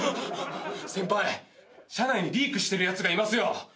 先輩社内にリークしてるやつがいますよ。